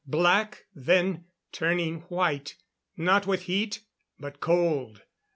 Black, then turning white. Not with heat but cold.